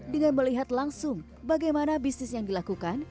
dengan melihat langsung bagaimana bisnis yang dilakukan